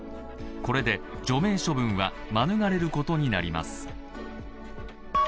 これで除名処分は免れることになります。